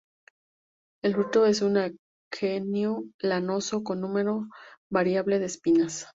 El fruto es un aquenio, lanoso, con número variable de espinas.